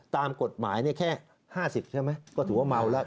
ตามกฎหมายแค่๕๐ใช่ไหมก็ถือว่าเมาแล้ว